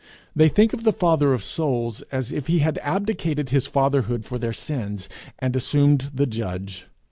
They think of the father of souls as if he had abdicated his fatherhood for their sins, and assumed the judge.